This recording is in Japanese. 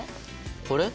これ？